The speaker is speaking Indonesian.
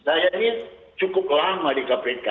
saya ini cukup lama di kpk